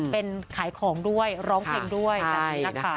เป็นขายของด้วยร้องเพลงด้วย